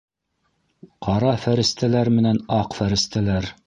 Ҡара фәрестәләр менән аҡ фәрестәләр.